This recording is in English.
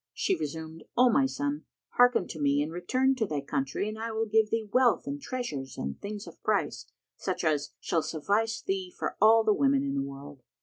She resumed, "O my son, hearken to me and return to thy country and I will give thee wealth and treasures and things of price, such as shall suffice thee for all the women in the world.